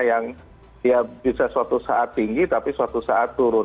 yang bisa suatu saat tinggi tapi suatu saat turun